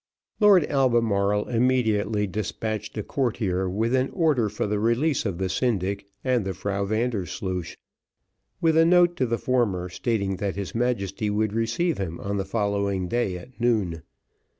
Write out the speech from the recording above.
Lord Albemarle immediately despatched a courier with an order for the release of the syndic and the Frau Vandersloosh, with a note to the former, stating that his Majesty would receive him on the following day at noon.